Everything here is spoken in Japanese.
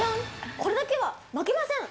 これだけは負けません！